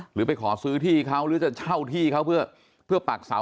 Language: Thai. หรือไปขอซื้อที่เขาหรือจะเช่าที่เขาเพื่อปักเสา